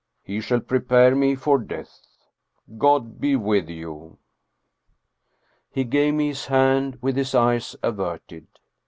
He shall prepare me for death. God be with you." He gave me his hand with his eyes averted.